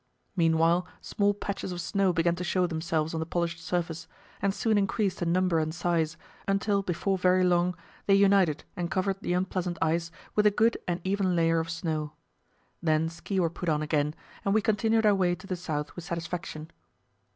Meanwhile small patches of snow began to show themselves on the polished surface, and soon increased in number and size, until before very long they united and covered the unpleasant ice with a good and even layer of snow. Then ski were put on again, and we continued our way to the south with satisfaction.